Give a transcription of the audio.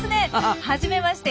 はじめまして。